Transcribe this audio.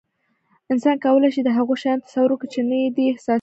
انسان کولی شي، د هغو شیانو تصور وکړي، چې نه یې دي حس کړي.